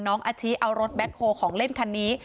อาชิเอารถแบ็คโฮลของเล่นคันนี้